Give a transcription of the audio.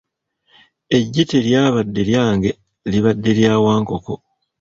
Eggi teryabadde lyange libadde lya Wankoko,